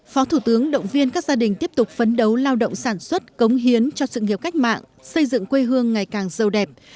phó thủ tướng động viên các gia đình tiếp tục phấn đấu lao động sản xuất cống hiến cho sự nghiệp cách mạng xây dựng quê hương ngày càng sâu đẹp